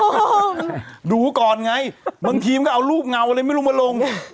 ดูก่อนไงบางทีมันก็เอารูปเงาอะไรไม่รู้มาลง